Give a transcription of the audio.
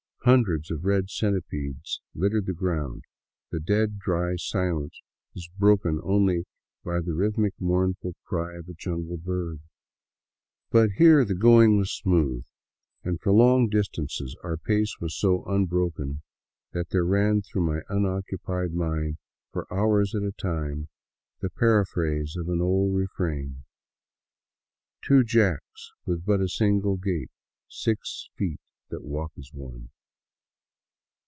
Hundreds of red centipedes littered the ground; the dead, dry silence was broken only by the rhythmic mournful cry of a jungle bird. But here the going was smooth, and for long distances our pace was so unbroken that there ran through my unoccupied mind for hours at a time the paraphrase of an old refrain: "Two jacks with but a single gait; Six feet that walk as one."